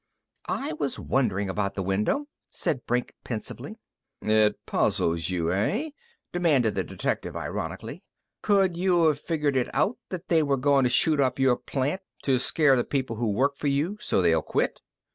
"I was wondering about the window," said Brink, pensively. "It puzzles you, eh?" demanded the detective ironically. "Could you've figured it out that they were goin' to shoot up your plant to scare the people who work for you so they'll quit?